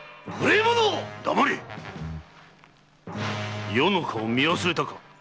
余の顔を見忘れたか。